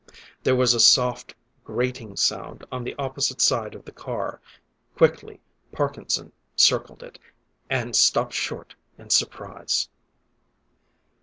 There was a soft, grating sound on the opposite side of the car. Quickly, Parkinson circled it and stopped short in surprise.